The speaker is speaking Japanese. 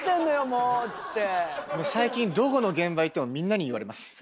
もう最近どこの現場行ってもみんなに言われます。